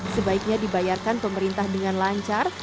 sebaiknya dibayarkan pemerintah dengan lancar